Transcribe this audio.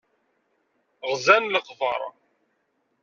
Ɣzen leqber.